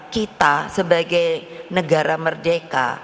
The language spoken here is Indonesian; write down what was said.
kita sebagai negara merdeka